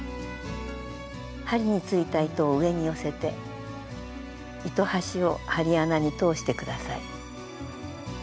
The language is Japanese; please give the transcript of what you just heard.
針についた糸を上に寄せて糸端を針穴に通して下さい。